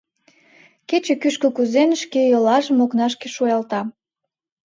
Кече кӱшкӧ кӱзен, шке йоллажым окнашке шуялта.